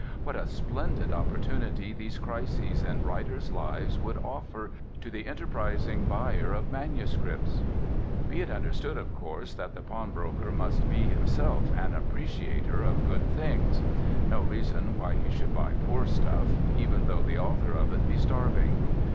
What a splendid opportunity these crises in writers' lives would offer to the enterprising buyer of manuscripts! Be it understood, of course, that the pawnbroker must be himself an appreciator of good things. No reason why he should buy poor stuff, even though the author of it be starving.